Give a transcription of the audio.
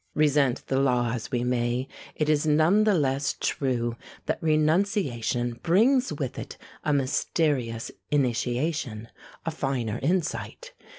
Resent the law as we may, it is none the less true that renunciation brings with it a mysterious initiation, a finer insight.